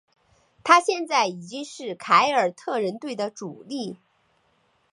他现在已经是凯尔特人队的主力。